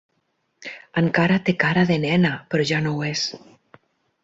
Encara té cara de nena, però ja no ho és.